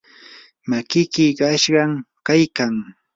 makiki qachqam kaykan.